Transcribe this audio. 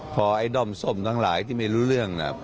พอไอ้ด้อมส้มทั้งหลายที่ไม่รู้เรื่องน่ะ